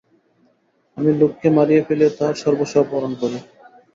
আমি লোককে মারিয়া ফেলিয়া তাহার সর্বস্ব অপহরণ করি।